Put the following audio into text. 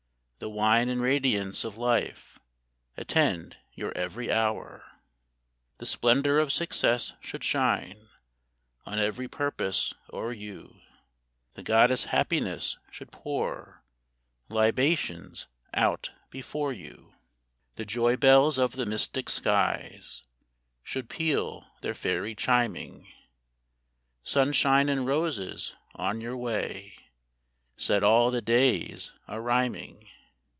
The wine and radiance of life Attend your every hour. The splendor of success should shine On every purpose o'er you ; The goddess Happiness should pour Libations out before you. ii6 A CHRISTMAS WISH. The joy bells of the mystic skies Should peal their fairy chiming ; Sunshine and roses on your way Set all the days a rhyming.